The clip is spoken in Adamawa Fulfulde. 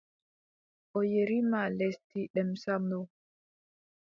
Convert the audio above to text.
O yerima lesdi Demsa no.